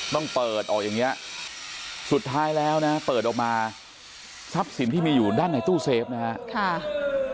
ต้องเปิดออกอย่างนี้สุดท้ายแล้วนะเปิดออกมาทรัพย์สินที่มีอยู่ด้านในตู้เซฟนะครับ